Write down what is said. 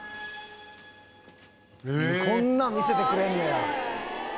こんなん見せてくれんねや。